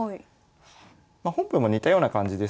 本譜も似たような感じですね。